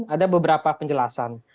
ada beberapa penjelasan